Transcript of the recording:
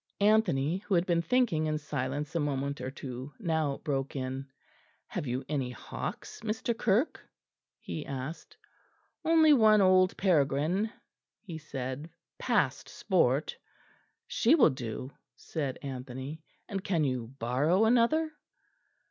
Anthony, who had been thinking in silence a moment or two, now broke in. "Have you any hawks, Mr. Kirke?" he asked. "Only one old peregrine," he said, "past sport." "She will do," said Anthony; "and can you borrow another?"